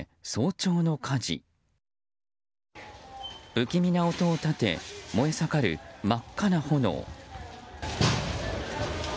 不気味な音を立て燃え盛る真っ赤な炎。